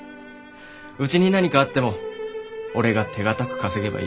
うちに何かあっても俺が手堅く稼げばいい。